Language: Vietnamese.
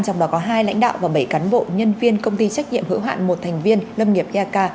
trong đó có hai lãnh đạo và bảy cán bộ nhân viên công ty trách nhiệm hữu hạn một thành viên lâm nghiệp yaka